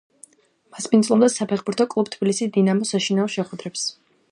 მასპინძლობდა საფეხბურთო კლუბ თბილისის „დინამოს“ საშინაო შეხვედრებს.